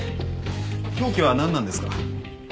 凶器は何なんですか？